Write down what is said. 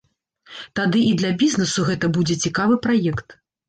Тады і для бізнесу гэта будзе цікавы праект.